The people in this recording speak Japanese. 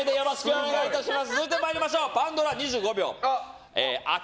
お願いします！